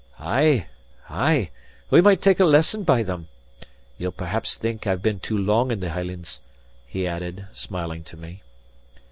Ay, ay, we might take a lesson by them. Ye'll perhaps think I've been too long in the Hielands?" he added, smiling to me.